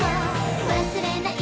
「忘れない